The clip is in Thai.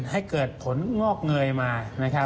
ให้เกิดผลงอกเงยมานะครับ